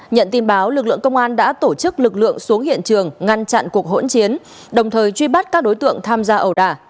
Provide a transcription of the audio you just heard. nhận tin báo lực lượng công an đã tổ chức lực lượng xuống hiện trường ngăn chặn cuộc hỗn chiến đồng thời truy bắt các đối tượng tham gia ẩu đả